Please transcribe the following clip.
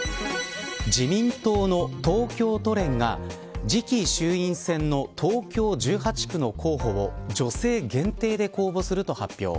自民党の東京都連が次期衆院選の東京１８区の候補を女性限定で公募すると発表。